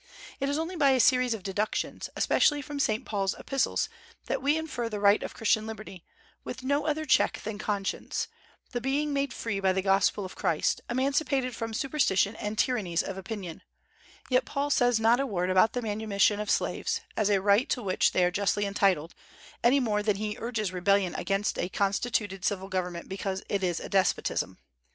It is only by a series of deductions, especially from Saint Paul's epistles, that we infer the right of Christian liberty, with no other check than conscience, the being made free by the gospel of Christ, emancipated from superstition and tyrannies of opinion; yet Paul says not a word about the manumission of slaves, as a right to which they are justly entitled, any more than he urges rebellion against a constituted civil government because it is a despotism.